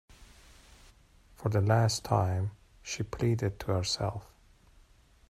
"For the last time," she pleaded to herself.